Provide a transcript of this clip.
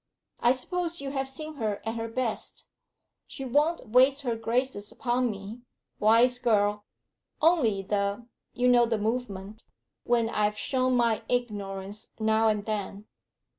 I suppose you have seen her at her best? She won't waste her graces upon me, wise girl; only the you know the movement when I've shown my ignorance now and then.